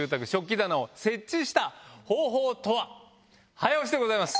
早押しでございます。